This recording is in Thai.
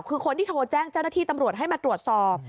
คือคนที่โทรแจ้งเจ้าหน้าที่ตำรวจให้มาตรวจสอบ